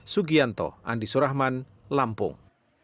sugianto andi surahman lampung